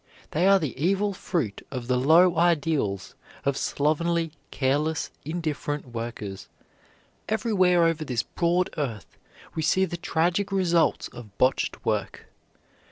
They are the evil fruit of the low ideals of slovenly, careless, indifferent workers. Everywhere over this broad earth we see the tragic results of botched work.